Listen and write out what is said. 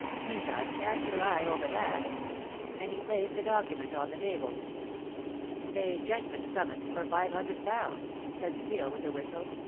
Meantime cast your eye over that," and he placed a document on the table. "A judgment summons for five hundred pounds," said Steel, with a whistle.